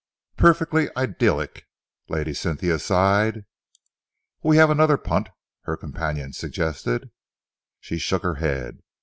"Perfectly idyllic," Lady Cynthia sighed. "We have another punt," her companion suggested. She shook her head.